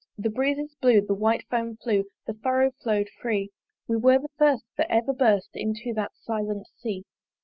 The breezes blew, the white foam flew, The furrow follow'd free: We were the first that ever burst Into that silent Sea.